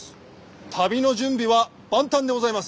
旅の準備は万端でございます。